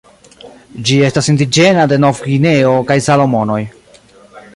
Ĝi estas indiĝena de Novgvineo kaj Salomonoj.